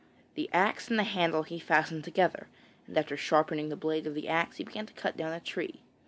The axe and the handle he fastened together, and after sharpening the blade of the axe he began to cut down a tree.